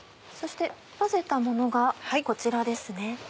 そして混ぜたものがこちらです。